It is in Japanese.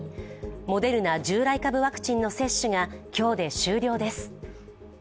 モデルナ、従来株ワクチンの接種が今日で終了です。